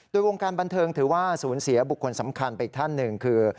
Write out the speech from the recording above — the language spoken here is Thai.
โดยวงการบันเทิงถือว่าสูญเสียบุคคลสำคัญไปอีกท่านหนึ่งคือ